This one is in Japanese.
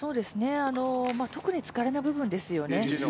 特に疲れの部分ですよね。